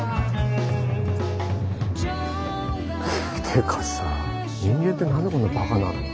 てかさ人間って何でこんなにバカなの？